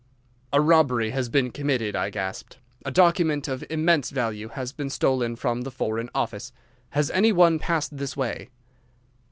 "'A robbery has been committed,' I gasped. 'A document of immense value has been stolen from the Foreign Office. Has any one passed this way?